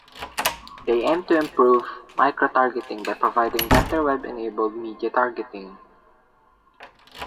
They aim to improve microtargeting by providing better web-enabled media targeting.